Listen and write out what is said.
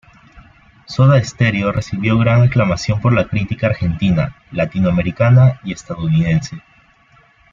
Soda Stereo recibió gran aclamación por la crítica argentina, latinoamericana y estadounidense.